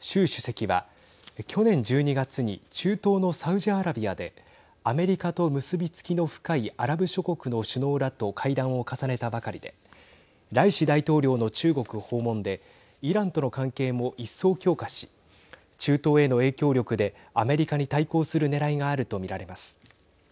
習主席は去年１２月に中東のサウジアラビアでアメリカと結び付きの深いアラブ諸国の首脳らと会談を重ねたばかりでライシ大統領の中国訪問でイランとの関係も一層強化し中東への影響力でアメリカに対抗するねらいがあると見られます。